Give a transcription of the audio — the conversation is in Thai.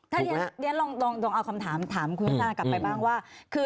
ถ้าอย่างนี้ลองเอาคำถามคุณท่านกลับไปบ้างว่า